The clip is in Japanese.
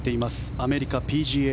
アメリカＰＧＡ